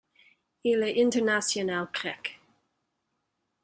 Il est international grec.